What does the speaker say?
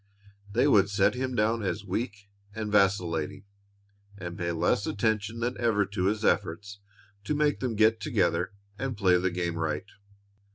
They would set him down as weak and vacillating, and pay less attention than ever to his efforts to make them get together and play the game right.